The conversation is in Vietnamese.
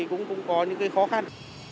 cũng có những cái khó khăn